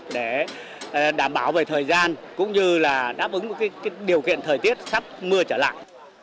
để đảm bảo về thời gian cũng như là đáp ứng điều kiện thời tiết sắp mưa trở lại